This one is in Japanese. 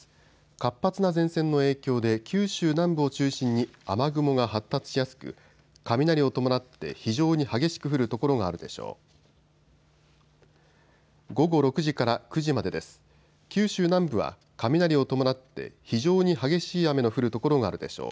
活発な前線の影響で九州南部を中心に雨雲が発達しやすく雷を伴って非常に激しく降る所があるでしょう。